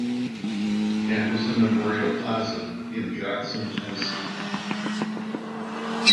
Anderson Memorial Plaza in Jackson, Tennessee.